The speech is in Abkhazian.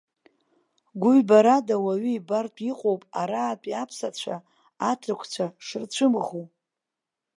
Гәыҩбарада уаҩы ибартә иҟоуп, араатәи аԥсацәа аҭырқәцәа шырцәымӷу.